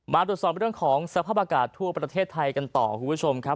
มาตรวจสอบเรื่องของสภาพอากาศทั่วประเทศไทยกันต่อคุณผู้ชมครับ